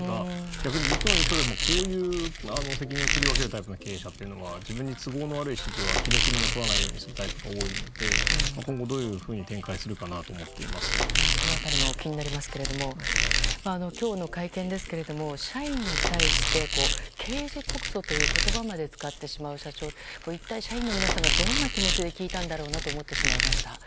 逆に、僕の印象でも、こういう責任を切り分けるタイプの経営者は自分に都合の悪い指示は記録に残らないようにするタイプが多いので今後、どう展開するかとその辺りも気になりますが今日の会見ですけれども社員に対して刑事告訴という言葉まで使ってしまう社長一体社員の皆さんはどんな気持ちで聞いたんだろうと思ってしまいました。